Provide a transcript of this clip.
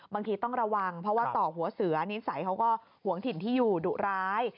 บางทีต้องระวังเพราะว่าต่อหัวเสือนิสัยเขาก็ห่วงถิ่นที่อยู่ดุร้าย